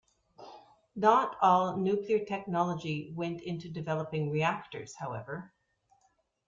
Not all nuclear technology went into developing reactors, however.